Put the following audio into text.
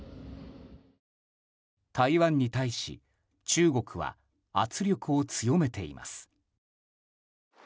台湾に対し中国は圧力を強めています。